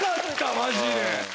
マジで。